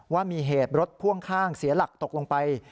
ว่ามีเหตุรถพ่วงข้างเสียหลักตกลงไป